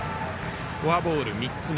フォアボール３つ目。